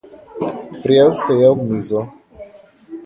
Prijel se je ob mizo.